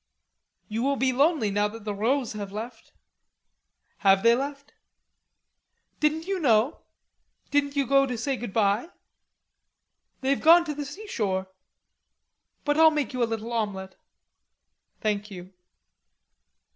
"You will be lonely now that the Rods have left." "Have they left?" "Didn't you know? Didn't you go to say goodby? They've gone to the seashore.... But I'll make you a little omelette." "Thank you."